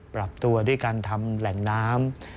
ปรับตัวด้วยการทำแหล่งน้ำ